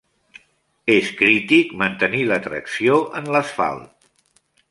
És crític mantenir la tracció en l'asfalt.